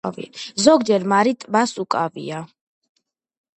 ზოგჯერ მაარი ტბას უკავია.